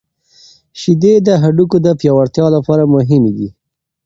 شیدې د هډوکو د پیاوړتیا لپاره مهمې دي.